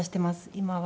今は。